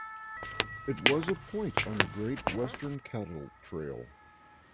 It was a point on the Great Western Cattle Trail.